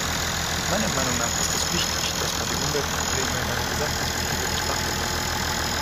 Meiner Meinung nach ist es wichtig, dass man die Umweltprobleme in einer Gesamtperspektive betrachtet.